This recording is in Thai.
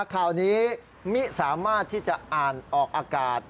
ข่าวนี้มิสามารถที่จะอ่านออกอากาศ